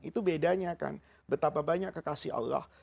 itu bedanya kan betapa banyak kekasih allah